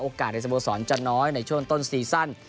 โอกาสในสมบูรณ์สอนจะน้อยในช่วงต้นซีซั่น